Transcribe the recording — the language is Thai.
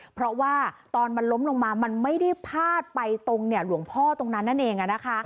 เพราะว่าตอนมันล้มลงมามันไม่ได้พาดไปตรงหลวงพ่อตรงนั้นนั่นเอง